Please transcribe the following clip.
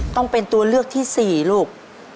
ต้องเป็นตัวเลือกที่๔ลูก